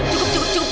cukup cukup cukup